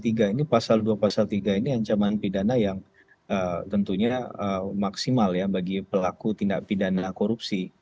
ini pasal dua pasal tiga ini ancaman pidana yang tentunya maksimal ya bagi pelaku tindak pidana korupsi